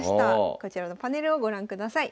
こちらのパネルをご覧ください。